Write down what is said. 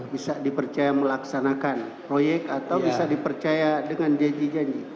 bisa dipercaya melaksanakan proyek atau bisa dipercaya dengan janji janji